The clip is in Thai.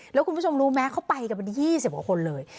แล้วคุณผู้ชมรู้ไหมเขาไปกันเป็น๒๐กว่าคนเลย